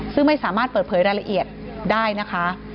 ซึ่งไม่สามารถเปิดเผยรายละเอียดได้นะคะ